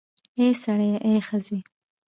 اې سړیه, آ ښځې